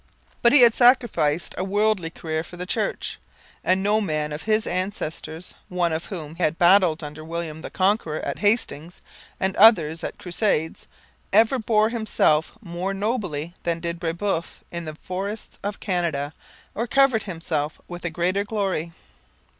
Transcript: But he had sacrificed a worldly career for the Church. And no man of his ancestors, one of whom had battled under William the Conqueror at Hastings and others in the Crusades, ever bore himself more nobly than did Brebeuf in the forests of Canada, or covered himself with a greater glory.